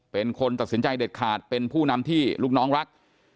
เป็นคนตัดสินใจเด็ดขาดเป็นผู้นำที่ลูกน้องรัก